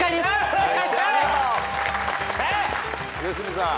良純さん。